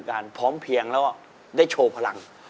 พร้อมเพียงแล้วได้โชว์พลัง